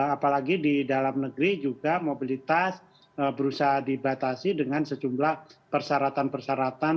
apalagi di dalam negeri juga mobilitas berusaha dibatasi dengan sejumlah persyaratan persyaratan